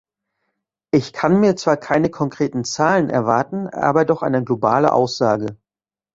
Ich kann mir zwar keine konkreten Zahlen erwarten, aber doch eine globale Aussage.